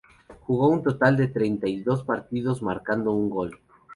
Jugó un total de treinta y dos partidos, marcando un gol.